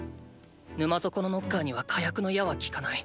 沼底のノッカーには火薬の矢は効かない。